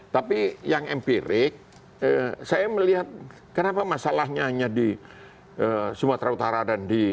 tapi yang empirik saya melihat kenapa masalahnya hanya di sumatera utara dan di